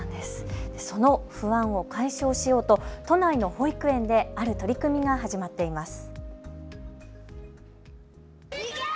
その不安を解消しようと都内の保育園である取り組みが始まっています。